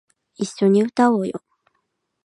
一緒に歌おうよ